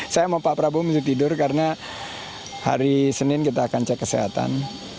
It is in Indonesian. saya mau pak prabowo mesti tidur karena hari senin kita akan cek kesehatan